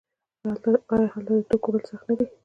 آیا هلته د توکو وړل سخت نه دي؟